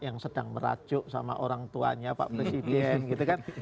yang sedang merajuk sama orang tuanya pak presiden